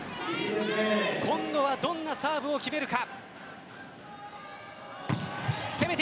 今度はどんなサーブを決めるか。